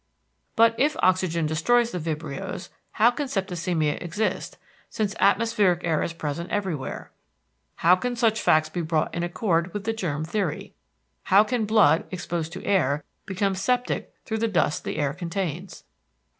But, if oxygen destroys the vibrios, how can septicemia exist, since atmospheric air is present everywhere? How can such facts be brought in accord with the germ theory? How can blood, exposed to air, become septic through the dust the air contains?